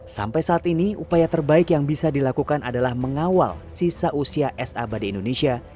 sampai saat ini upaya terbaik yang bisa dilakukan adalah mengawal sisa usia es abadi indonesia